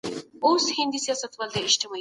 طبیعي منابع یوازي نه بسیا دي.